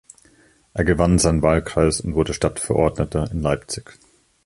Er gewann seinen Wahlkreis und wurde Stadtverordneter in Leipzig.